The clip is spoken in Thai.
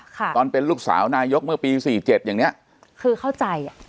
ตอนเป็นลูกสาวนายกเมื่อปีสี่เจ็ดอย่างเนี้ยคือเข้าใจอ่ะ